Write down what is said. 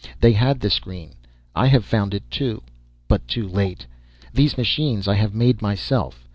They had the screen, I have found it, too but too late. These machines I have made myself.